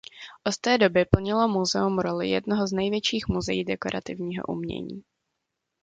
Od té doby plnilo muzeum roli jednoho z největších muzeí dekorativního umění.